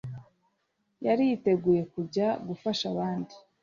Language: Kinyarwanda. yari yiteguye kujya gufasha abandi